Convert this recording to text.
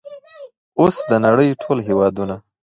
اوس د نړۍ ټول هیوادونه